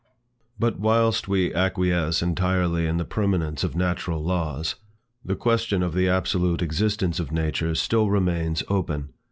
But whilst we acquiesce entirely in the permanence of natural laws, the question of the absolute existence of nature still remains open.